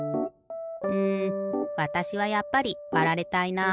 うんわたしはやっぱりわられたいな。